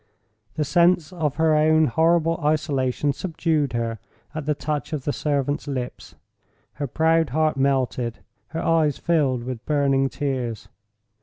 The sense of her own horrible isolation subdued her, at the touch of the servant's lips. Her proud heart melted; her eyes filled with burning tears.